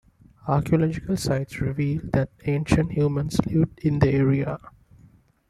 Archeological sites reveal that ancient humans lived in the area.